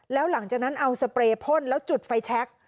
แล้วหลังจากนั้นเอาสเปรย์พ่นแล้วจุดไฟแชค